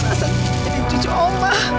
serasa jadi cucu oma